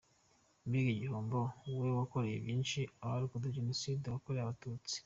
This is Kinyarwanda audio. Mbega igihombo, wowe wakoreye byinshi abarokotse Jenoside yakorewe Abatutsi.